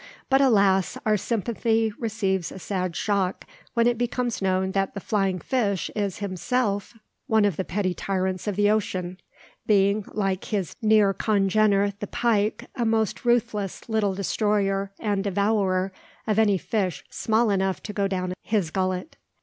But, alas! our sympathy receives a sad shock, when it becomes known that the flying fish is himself one of the petty tyrants of the ocean, being, like his near congener, the pike, a most ruthless little destroyer and devourer of any fish small enough to go down his gullet.